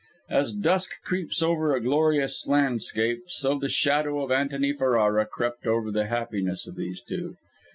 As dusk creeps over a glorious landscape, so the shadow of Antony Ferrara crept over the happiness of these two.